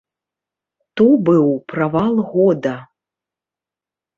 То быў правал года.